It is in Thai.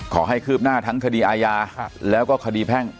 คืบหน้าทั้งคดีอาญาแล้วก็คดีแพ่ง